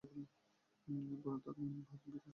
পরে তিনি ভারত বিকাশ মোর্চায় যোগ দিয়েছিলেন।